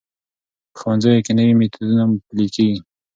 په ښوونځیو کې نوي میتودونه پلي کېږي.